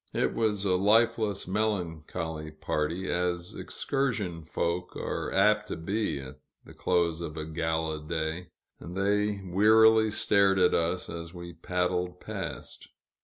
It was a lifeless, melancholy party, as excursion folk are apt to be at the close of a gala day, and they wearily stared at us as we paddled past.